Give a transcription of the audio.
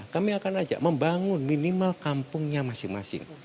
kami akan ajak membangun minimal kampungnya masing masing